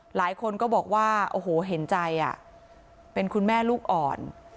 หลายคนก็บอกว่าโอ้โหเห็นใจเป็นคุณแม่ลูกอ่อน